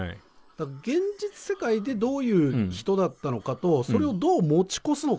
だから現実世界でどういう人だったのかとそれをどう持ち越すのか。